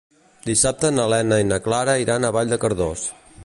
Dissabte na Lena i na Clara iran a Vall de Cardós.